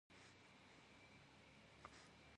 Vı p'alhemış'er bjıkhuteş.